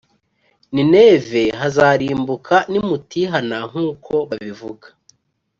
Nineve hazarimbuka nimutihana nkuko babivuga